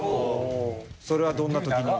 それはどんな時に？